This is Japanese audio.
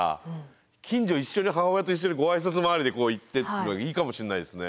近所一緒に母親と一緒にご挨拶回りで行ってというのはいいかもしんないですね。